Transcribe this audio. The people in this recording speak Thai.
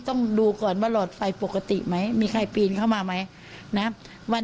ต้องดูก่อนว่าหลอดไฟปกติไหมมีใครปีนเข้ามาไหมนะวัน